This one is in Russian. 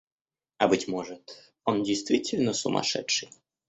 А быть может, он действительно сумасшедший?